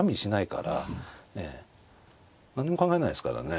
何も考えないですからね。